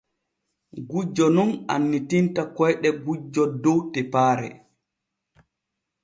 Gujjo nun annitinta koyɗe gujjo dow tepaare.